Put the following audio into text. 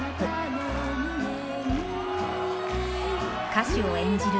歌手を演じる